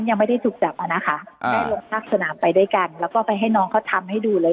ยังไม่ได้ถูกจับมานะคะไปด้วยกันแล้วก็ไปให้น้องเขาทำให้ดูเลย